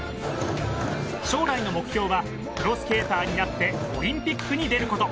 将来の目標はプロスケーターになってオリンピックに出ること。